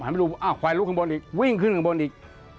อาไขวนลุ้นข้างบนอีกวิ่งขึ้นข้างบนอีก